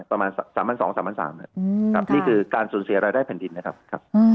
ประมาณ๓๒๓๓๐๐บาทครับนี่คือการสูญเสียรายได้แผ่นดินนะครับ